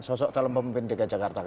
sosok calon pemimpin dki jakarta